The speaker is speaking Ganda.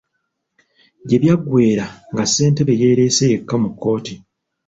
Gye byaggweera nga Ssentebe yeereese yekka mu kkooti.